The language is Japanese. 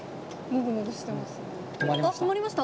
止まりました。